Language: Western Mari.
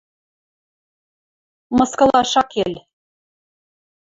Мыскылаш ак кел.